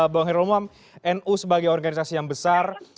bang hoirul mam nu sebagai organisasi yang besar